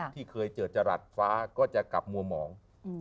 ที่เคยเจอจรัสฟ้าก็จะกลับมัวหมอง